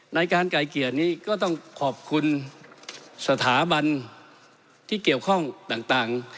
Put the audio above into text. ในการไกลเกลี่ยนี้ก็ต้องขอบคุณสถาบันที่เกี่ยวข้องต่าง